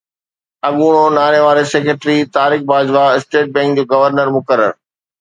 اڳوڻو ناڻي وارو secretary Tariq Bajwa state bank جو گورنر مقرر